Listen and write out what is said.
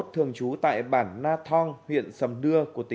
thường trú tại bản na thong huyện sầm đưa